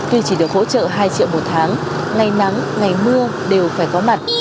tuy chỉ được hỗ trợ hai triệu một tháng ngày nắng ngày mưa đều phải có mặt